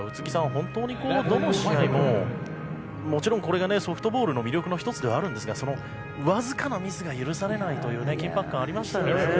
本当にどの試合ももちろんこれがソフトボールの魅力の１つではあるんですがそのわずかなミスが許されないという緊迫感がありましたよね。